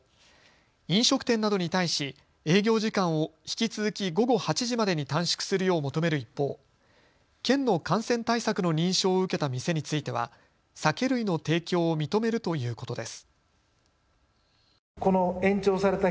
飲食店などに対し営業時間を引き続き午後８時までに短縮するよう求める一方、県の感染対策の認証を受けた店については酒類の提供を認めるということです。